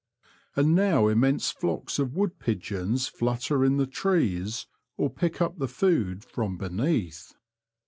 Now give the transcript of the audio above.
And now immense flocks of wood pigeons flutter in the trees or pick up the food from beneath.